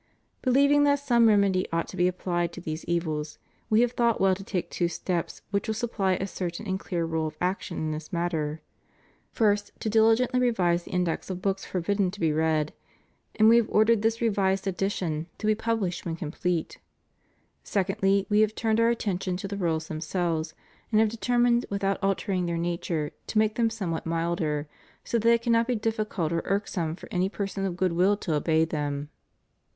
Believing that some remedy ought to be applied to these e^dls, We have thought well to take two steps which will supply a certain and clear rule of action in this matter. First, to diligently revise the Index of books forbidden to be read; and We have ordered this revised edition to be THE PROHIBITION AND CENSORSHIP OF BOOKS. 411 published when complete. Secondly, We have turned Our attention to the rules themselves, and have determined, ■without altering their nature, to make them somewhat milder, so that it cannot be difficult or irksome for any person of good will to obey them.